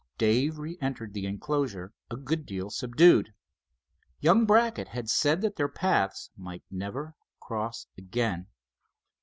Dave re entered the enclosure a good deal subdued. Young Brackett had said that their paths might never cross again.